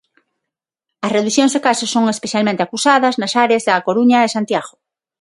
As reducións de casos son especialmente acusadas nas áreas da Coruña e Santiago.